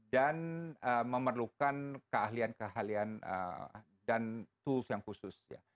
dan memerlukan keahlian keahlian dan tools yang khusus ya